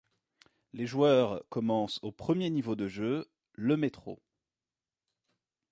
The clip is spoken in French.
Les joueurs commencent au premier niveau de jeu, le métro.